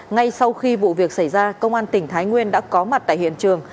ngay sau khi vụ việc xảy ra công an tỉnh thái nguyên đã có mặt tại hiện trường